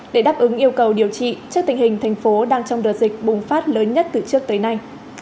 để đáp ứng yêu cầu điều trị trước tình hình thành phố đang trong đợt dịch bùng phát lớn nhất từ trước tới nay